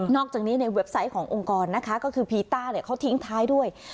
อกจากนี้ในเว็บไซต์ขององค์กรนะคะก็คือพีต้าเนี่ยเขาทิ้งท้ายด้วย